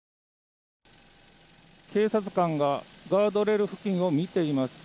警察官がガードレール付近を見ています。